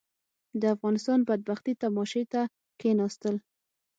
د افغانستان بدبختي تماشې ته کښېناستل.